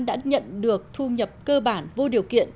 đã nhận được thu nhập cơ bản vô điều kiện